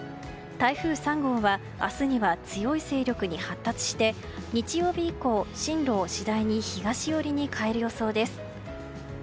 台風３号は、明日には強い勢力に発達して日曜日以降、進路を次第に東寄りに変える予想です。